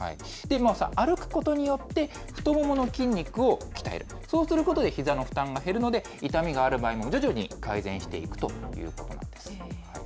歩くことによって、太ももの筋肉を鍛える、そうすることでひざの負担が減るので、痛みがある場合も徐々に改善していくということなんです。